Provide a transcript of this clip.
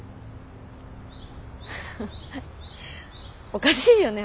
おかしいよね